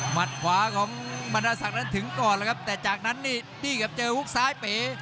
ขวาของบรรดาศักดิ์ถึงก่อนแล้วครับแต่จากนั้นนี่ครับเจอฮุกซ้ายเป๋